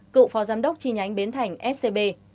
cựu phó giám đốc chi nhánh bến thành scb